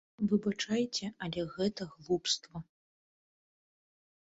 Выбачайце, але гэта глупства.